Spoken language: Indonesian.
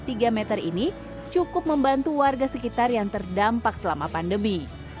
tiga meter ini cukup membantu warga sekitar yang terdampak selama pandemi